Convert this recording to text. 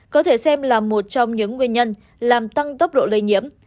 có thể xem là một trong những nguyên nhân làm tăng tốc độ lây nhiễm